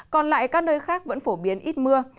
còn lại các nơi khác vẫn phổ biến ít mưa